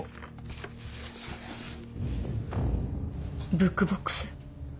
ブックボックス。